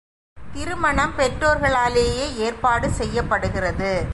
திருமணம் பெற்றோர்களாலேயே ஏற்பாடு செய்யப்படுகிறது.